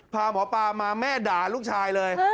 พาหมอปลามาแม่ด่าลูกชายเลย